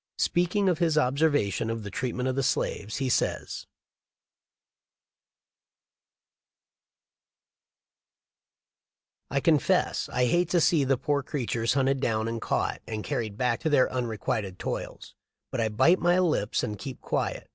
Speaking of his observation of the treatment of the slaves, he says: "I confess I hate to see the poor creatures hunted down and caught and carried back to their unrequited toils ; but I bite my lips and keep quiet.